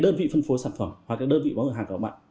đơn vị phân phối sản phẩm hoặc đơn vị bán hàng của các bạn